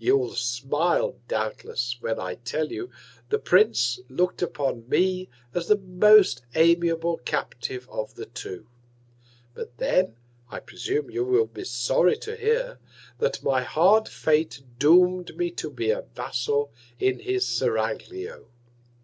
You'll smile, doubtless, when I tell you the Prince look'd upon me as the most amiable Captive of the two; but then, I presume you will be sorry to hear, that my hard Fate doom'd me to be a Vassal in his Seraglio.